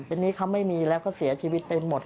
อันนี้เขาไม่มีแล้วก็เสียชีวิตไปหมด